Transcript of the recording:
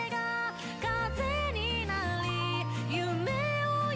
「風になり夢を呼び」